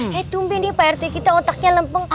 hei tumpin deh pak rt kita otaknya lempeng